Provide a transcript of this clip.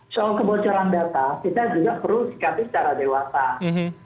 soal kebocoran data kita juga perlu sikapi secara dewasa